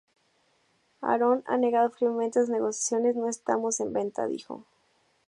Aaron... ha negado firmemente esas negociaciones, 'No estamos en venta', dijo.